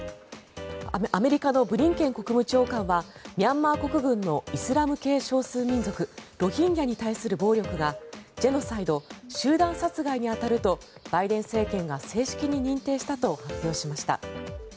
アメリカのブリンケン国務長官はミャンマー国軍のイスラム系少数民族ロヒンギャに対する暴力がジェノサイド、集団殺害に当たるとバイデン政権が正式に認定したと発表しました。